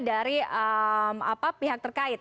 dari pihak terkaitnya